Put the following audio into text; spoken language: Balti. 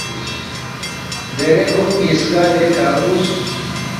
دیرےکھونگ نِ٘یسکا دیکھہ نُ٘وس